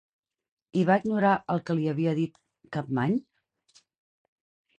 I va ignorar el que li havia dit Campmany?